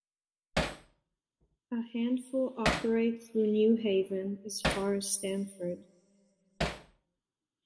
A handful operate through New Haven as far as Stamford.